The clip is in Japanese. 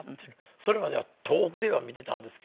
それまでは遠くでは見てたんですけれども。